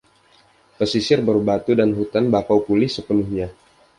Pesisir berbatu dan hutan bakau pulih sepenuhnya.